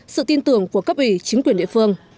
sự tin tưởng của cấp ủy chính quyền địa phương